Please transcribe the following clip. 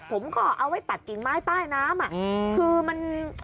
ผมก็เอาไว้ตัดกิ่งไม้ใต้น้ำคือมัน